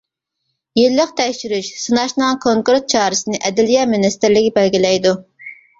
يىللىق تەكشۈرۈش، سىناشنىڭ كونكرېت چارىسىنى ئەدلىيە مىنىستىرلىقى بەلگىلەيدۇ.